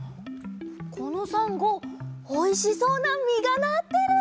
このサンゴおいしそうなみがなってる！